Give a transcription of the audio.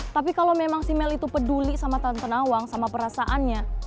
tapi kalau memang si mel itu peduli sama tante nawang sama perasaannya